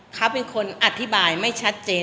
เขาเป็นคนอธิบายไม่ชัดเจน